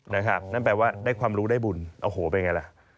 นั่นแปลว่าได้ความรู้ได้บุญโอ้โหเป็นไงล่ะ